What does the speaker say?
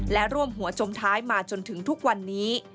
และร่วมหัวจมท้ายมาจนถึงทุกวันนี้